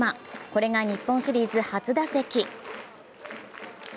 これが日本シリーズ初打席。